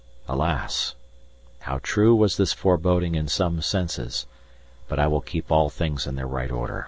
Alas! how true was this foreboding in some senses but I will keep all things in their right order.